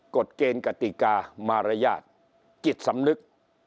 กฎเกณฑ์กติกามารยาทจิตสำนึก